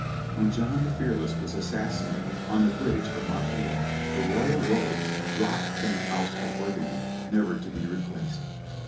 When John the Fearless was assassinated on the bridge of Montereau the royal robes dropped from the House of Burgundy, never to be replaced.